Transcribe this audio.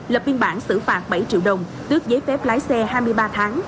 lập biên bản xử phạt bảy triệu đồng tước giấy phép lái xe hai mươi ba tháng